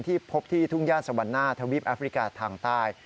พบที่ทุ่งย่านสวรรณาทวีปแอฟริกาทางใต้